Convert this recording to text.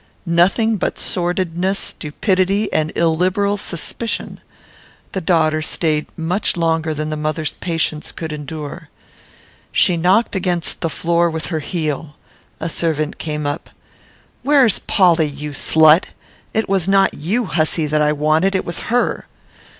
Nothing but sordidness, stupidity, and illiberal suspicion. The daughter stayed much longer than the mother's patience could endure. She knocked against the floor with her heel. A servant came up. "Where's Polly, you slut? It was not you, hussy, that I wanted. It was her."